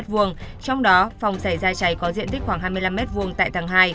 trong đó phòng xảy ra trái có diện tích khoảng hai mươi năm m hai tại tháng hai